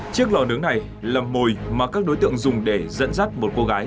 chiếc lò nướng này là mồi mà các đối tượng dùng để dẫn dắt một cô gái